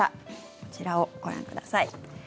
こちらをご覧ください。